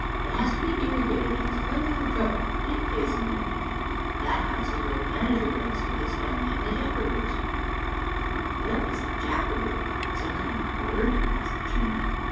It has to be irrigated and is quite a little trouble, but it pays in the end. That house is where the manager lives, with his family and the jackaroos." 54 Our Little Australian Cousin " What is a jackaroo? Some kind of a bird? " asked Jean.